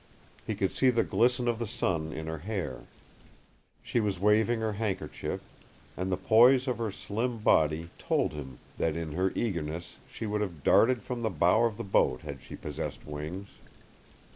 He could see the glisten of the sun in her hair. She was waving her handkerchief, and the poise of her slim body told him that in her eagerness she would have darted from the bow of the boat had she possessed wings.